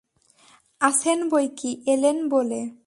আছেন বৈকি, এলেন বলে।